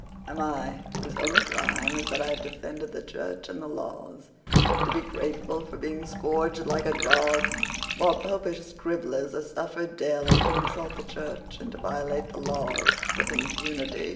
"Am I, whose only crime is that I have defended the Church and the laws, to be grateful for being scourged like a dog, while Popish scribblers are suffered daily to insult the Church and to violate the laws with impunity?"